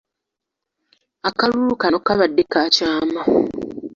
Akalulu kano kabadde ka kyama .